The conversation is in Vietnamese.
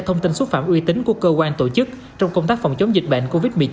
thông tin xúc phạm uy tín của cơ quan tổ chức trong công tác phòng chống dịch bệnh covid một mươi chín